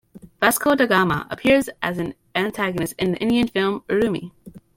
Vasco da Gama appears as an antagonist in the Indian film "Urumi".